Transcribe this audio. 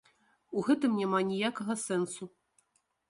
У гэтым няма ніякага сэнсу.